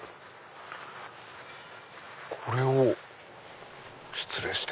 これを失礼して。